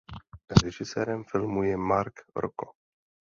Režisérem filmu je Marc Rocco.